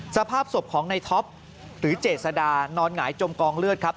สภาพศพของในท็อปหรือเจษดานอนหงายจมกองเลือดครับ